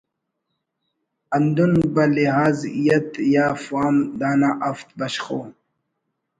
ہندن بلحاظ ہیئت یا فارم دانا ہفت بشخ او